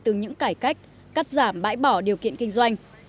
từ những cải cách cắt giảm bãi bỏ điều kiện kinh doanh